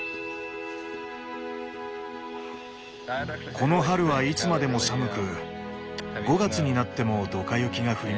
この春はいつまでも寒く５月になってもドカ雪が降りました。